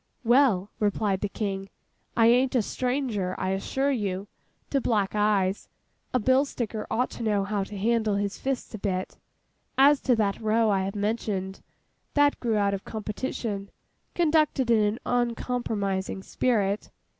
'Well,' replied the King, 'I an't a stranger, I assure you, to black eyes; a bill sticker ought to know how to handle his fists a bit. As to that row I have mentioned, that grew out of competition, conducted in an uncompromising spirit.